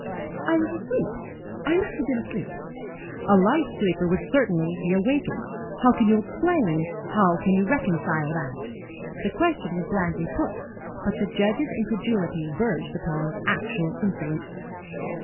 "I was asleep. I must have been asleep." "A light sleeper would certainly be awakened. How can you explain how can you reconcile that?" The question was blandly put, but the Judge's incredulity verged upon actual insolence.